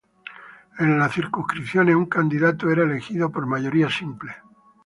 En las circunscripciones, un candidato era elegido por mayoría simple.